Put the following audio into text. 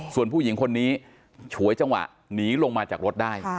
ส่วนผู้หญิงคนนี้ฉวยจังหวะหนีลงมาจากรถได้